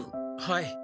はい。